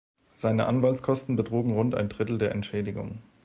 Seine Anwaltskosten betrugen rund ein Drittel der Entschädigung.